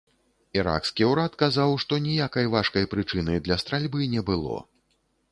Іракскі ўрад казаў, што ніякай важкай прычыны для стральбы не было.